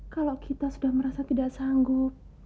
kalau kita sudah merasa tidak sanggup